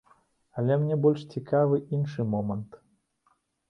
Але мне больш цікавы іншы момант.